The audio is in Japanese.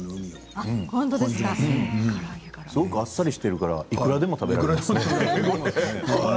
すごく、あっさりしているから、いくらでも食べられる。